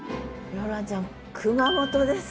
ローランちゃん熊本です。